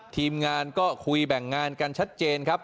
ทีมงานก็คุยแบ่งงานกันชัดเจนครับ